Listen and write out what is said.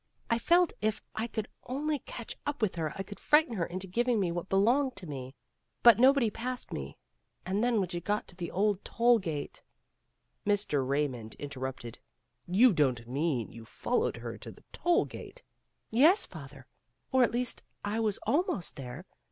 I felt if I could only catch up with her I could frighten her into giving me what belonged to me. But nobody passed me, and then when she got to the old toll gate" Mr. Raymond interrupted. "You don't mean you followed her to the toll gate I '' "Yes, father. Or at least I was almost there.